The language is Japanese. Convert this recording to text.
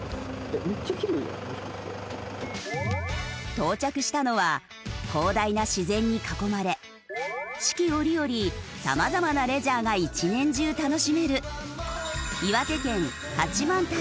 到着したのは広大な自然に囲まれ四季折々様々なレジャーが１年中楽しめる。